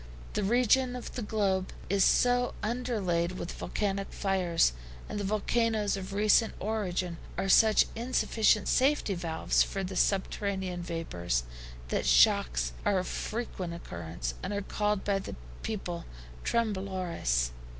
This region of the globe is so underlaid with volcanic fires and the volcanoes of recent origin are such insufficient safety valves for the subterranean vapors, that shocks are of frequent occurrence, and are called by the people TREMBLORES.